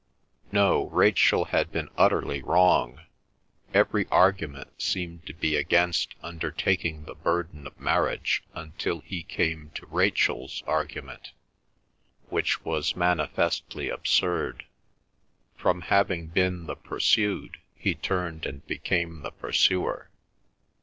No, Rachel had been utterly wrong! Every argument seemed to be against undertaking the burden of marriage until he came to Rachel's argument, which was manifestly absurd. From having been the pursued, he turned and became the pursuer.